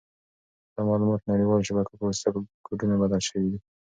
دا معلومات د نړیوالو شبکو په واسطه په کوډونو بدل شوي دي.